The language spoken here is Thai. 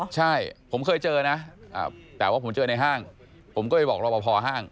ใช่ผมเคยเจอนะแต่ว่าผมเจอในห้างผมก็ไปบอกรอบพอห้าง